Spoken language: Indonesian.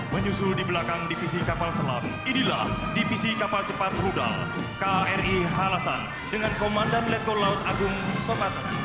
menyusul di belakang divisi kapal selam inilah divisi kapal cepat rudal kri halasan dengan komandan letkol laut agung sopan